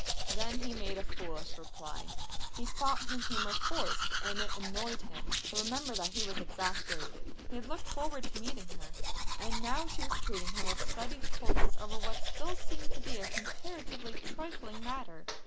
Then he made a foolish reply. He thought her humour forced and it annoyed him. Remember that he was exasperated. He had looked forward to meeting her, and now she was treating him with studied coldness over what still seemed to him a comparatively trifling matter.